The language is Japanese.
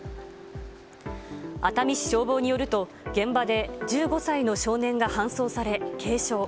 熱海市消防によると、現場で１５歳の少年が搬送され、軽傷。